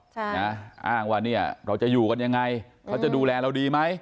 ใช่นะอ้างว่าเนี่ยเราจะอยู่กันยังไงเขาจะดูแลเราดีไหม